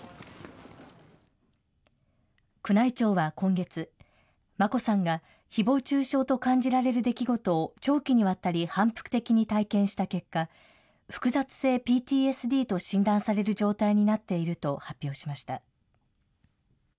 宮内庁は今月、眞子さんが、ひぼう中傷と感じられる出来事を長期にわたり反復的に体験した結果、複雑性ＰＴＳＤと診断される状態になっていると発表しました。